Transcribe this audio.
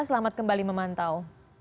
selamat kembali memantau